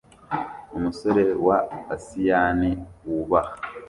Umusore wa asiyani wubaha